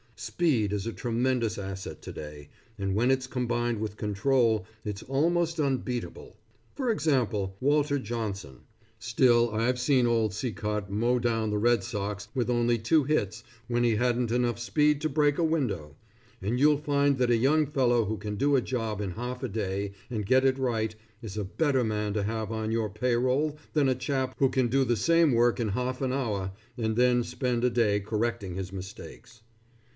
Speed is a tremendous asset to day, and when it's combined with control it's almost unbeatable. For example, Walter Johnson. Still, I've seen old Cicotte mow down the Red Sox with only two hits when he hadn't enough speed to break a window, and you'll find that a young fellow who can do a job in half a day, and get it right, is a better man to have on your pay roll than a chap who can do the same work in half an hour, and then spend a day correcting his mistakes.